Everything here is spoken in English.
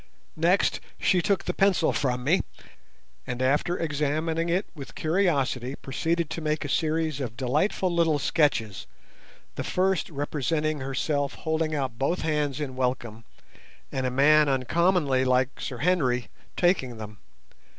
Next she took the pencil from me, and after examining it with curiosity proceeded to make a series of delightful little sketches, the first representing herself holding out both hands in welcome, and a man uncommonly like Sir Henry taking them.